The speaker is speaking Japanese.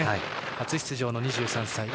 初出場の２３歳。